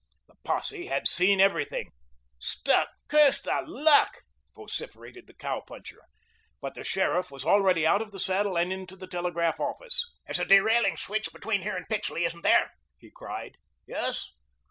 The posse had seen everything. "Stuck. Curse the luck!" vociferated the cow Puncher. But the sheriff was already out of the saddle and into the telegraph office. "There's a derailing switch between here and Pixley, isn't there?" he cried. "Yes."